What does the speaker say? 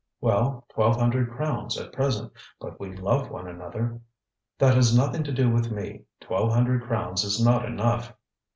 ŌĆ£Well, twelve hundred crowns, at present; but we love one another....ŌĆØ ŌĆ£That has nothing to do with me; twelve hundred crowns is not enough.